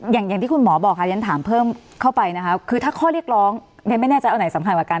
อย่างที่คุณหมอบอกค่ะเรียนถามเพิ่มเข้าไปนะคะคือถ้าข้อเรียกร้องเรียนไม่แน่ใจเอาไหนสำคัญกว่ากัน